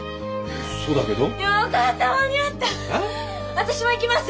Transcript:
私も行きます！